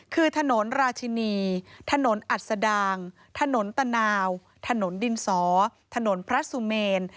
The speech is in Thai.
คือถนนราชินีถนนอัศดางถนนตะนาวถนนดินสอถนนพระสุเมน